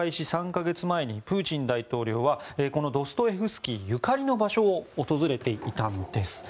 ３か月前にプーチン大統領はドストエフスキーゆかりの場所を訪れていたんです。